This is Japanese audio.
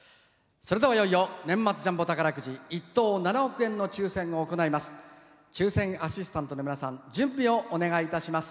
それでは、いよいよ年末ジャンボ宝くじ１等７億円の抽せんを行います。